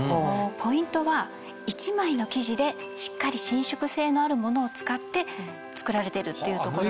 ポイントは１枚の生地でしっかり伸縮性のあるものを使って作られてるっていうところです。